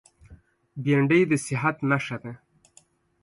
بېنډۍ د صحت نښه ده